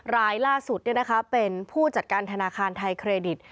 ร้ายล่าสุดเนี่ยนะคะเป็นผู้จัดการธนาคารไทยเครดิต